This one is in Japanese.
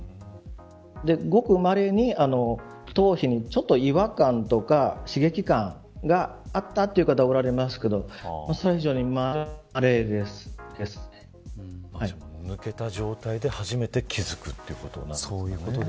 ごくまれに頭皮にちょっと違和感とか刺激感があったという方がおられますけどそれ以上に抜けた状態でそういうことですね。